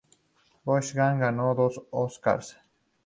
Gottschalk ganó dos Oscars.